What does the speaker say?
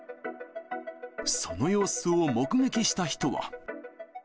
その様子を目撃した人は。